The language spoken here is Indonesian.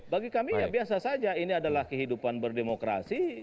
bagi kami ya biasa saja ini adalah kehidupan berdemokrasi